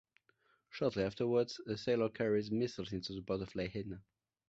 Shortly afterwards, a sailor carries measles into the port of Lahaina.